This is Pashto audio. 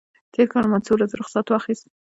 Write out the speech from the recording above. تېر کال ما څو ورځې رخصت واخیست.